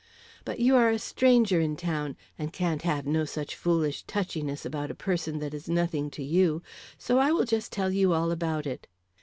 But you are a stranger in town, and can't have no such foolish touchiness about a person that is nothing to you, so I will just tell you all about it.